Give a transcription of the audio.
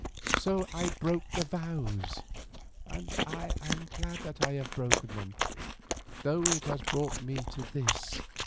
And so I broke the vows, and I am glad that I have broken them, though it has brought me to this.